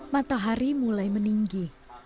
matahari mulai meninggi